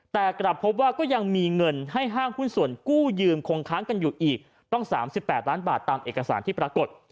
แต่กลับพบว่าก็ยังมีเงินให้ห้างหุ้นส่วนกู้ยืมคงค้างกันอยู่อีกต้อง๓๘ล้านบาทตามเอกสารที่ปรากฏ